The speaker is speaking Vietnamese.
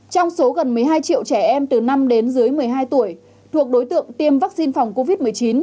trong số gần một mươi hai triệu trẻ em từ năm đến dưới một mươi hai tuổi thuộc đối tượng tiêm vaccine phòng covid một mươi chín